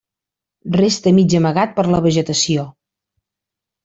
Resta mig amagat per la vegetació.